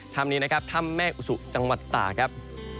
ถ้ำนี้นะครับถ้ำแม่อุสุจังหวัดตากครับ